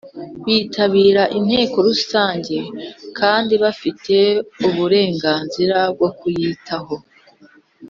Bitabira Inteko Rusange kandi bafite uburenganzira bwo kuyitaho